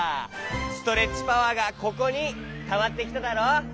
ストレッチパワーがここにたまってきただろ？